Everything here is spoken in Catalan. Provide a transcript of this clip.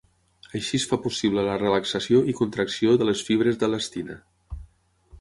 Així es fa possible la relaxació i contracció de les fibres d'elastina.